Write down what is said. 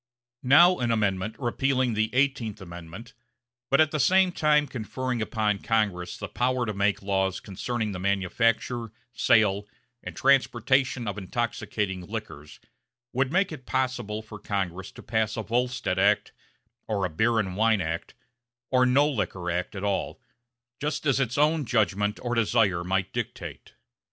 Now an Amendment repealing the Eighteenth Amendment but at the same time conferring upon Congress the power to make laws concerning the manufacture, sale and transportation of intoxicating liquors, would make it possible for Congress to pass a Volstead act, or a beer and wine act, or no Liquor act at all, just as its own judgment or desire might dictate.